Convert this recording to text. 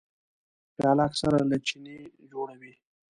پیاله اکثره له چیني جوړه وي.